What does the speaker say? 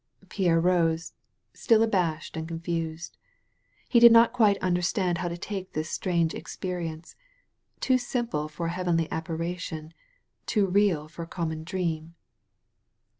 Pierre rose, still abashed and confused. He did not quite understand how to take this strange ex perience — ^too simple for a heavenly apparition, too real for a conmion dream.